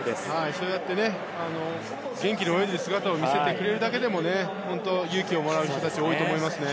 そうやって元気に泳いでいる姿を見せてくれるだけでも本当に勇気をもらう人たち多いと思いますね。